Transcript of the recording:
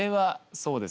そうですね。